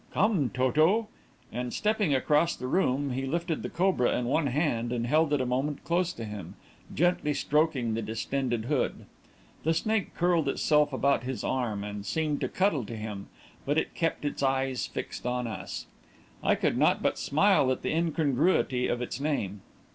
"Come, Toto," and stepping across the room, he lifted the cobra in one hand and held it a moment close to him, gently stroking the distended hood. The snake curled itself about his arm and seemed to cuddle to him, but it kept its eyes fixed on us. I could not but smile at the incongruity of its name.